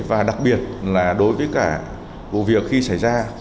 và đặc biệt là đối với cả vụ việc khi xảy ra